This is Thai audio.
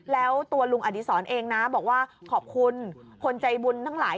แล้วตัวลุงอดีศรเองนะบอกว่าขอบคุณคนใจบุญทั้งหลาย